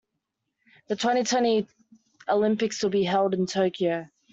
The twenty-twenty Olympics will be held in Tokyo.